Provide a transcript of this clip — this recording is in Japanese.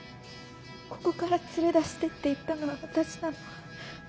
ここから連れ出してって言ったのは私なの。